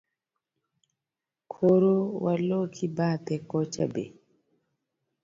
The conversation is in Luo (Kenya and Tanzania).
Koro waloki bathe kocha be?